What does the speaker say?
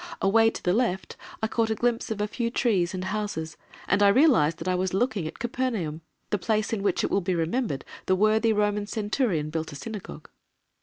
Away to the left I caught a glimpse of a few trees and houses, and I realized that I was looking at Capernaum, the place in which it will be remembered the worthy Roman Centurion built a synagogue.